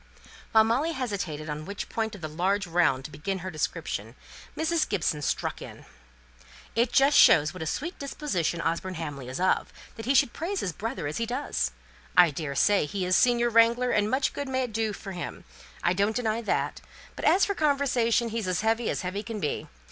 While Molly hesitated on which point of the large round to begin her description, Mrs. Gibson struck in, "It just shows what a sweet disposition Osborne Hamley is of that he should praise his brother as he does. I daresay he is a senior wrangler, and much good may it do him! I don't deny that; but as for conversation, he's as heavy as heavy can be.